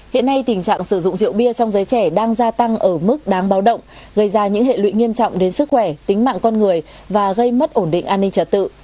hiện nay tình trạng sử dụng rượu bia trong giới trẻ đang gia tăng ở mức đáng báo động gây ra những hệ lụy nghiêm trọng đến sức khỏe tính mạng con người và gây mất ổn định an ninh trật tự